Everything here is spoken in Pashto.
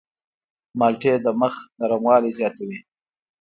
مالټې د مخ نرموالی زیاتوي.